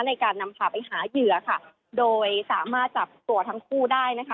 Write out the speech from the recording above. ในการนำคาไปหาเหยือโดยสามารถจับตัวทั้งคู่ได้